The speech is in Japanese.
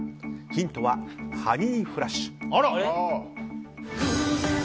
ヒントは、ハニーフラッシュ。